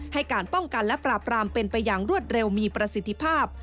ให้การป้องกันและปราบรามเป็นไปอย่างรวดเร็วมีประสิทธิภาพ